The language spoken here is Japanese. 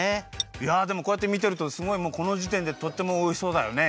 いやでもこうやってみてるとすごいもうこのじてんでとってもおいしそうだよね。